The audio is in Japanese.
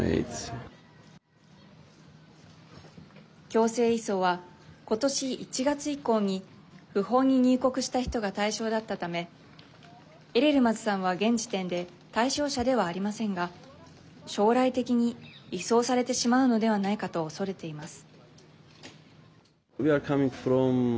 強制移送は、今年１月以降に不法に入国した人が対象だったためエリルマズさんは現時点で対象者ではありませんが将来的に移送されてしまうのではないかと恐れています。